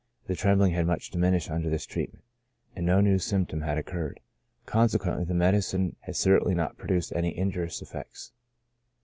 The trembling had much diminished under this treatment, and no new symptom had occurred ; consequently the medicine had certainly not produced any injurious effects.